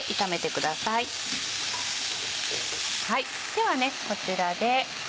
ではこちらで。